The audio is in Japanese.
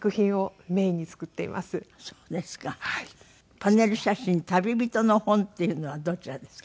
パネル写真『旅人の本』っていうのはどちらですか？